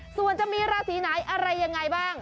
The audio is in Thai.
ส่วนจะมีราศีไหนอะไรยังไงบ้าง